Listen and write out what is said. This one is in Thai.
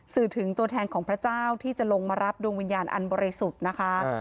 สื่อถึงตัวแทนของพระเจ้าที่จะลงมารับดวงวิญญาณอันบริสุทธิ์นะคะ